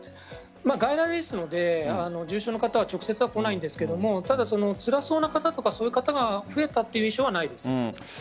外来ですので重症の方は直接は来ないんですがただ、つらそうな方とかそういう方が増えたという印象はないです。